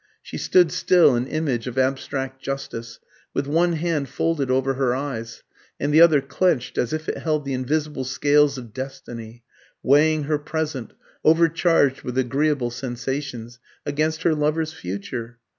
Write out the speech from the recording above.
She stood still, an image of abstract Justice, with one hand folded over her eyes, and the other clenched as if it held the invisible scales of destiny, weighing her present, overcharged with agreeable sensations, against her lover's future.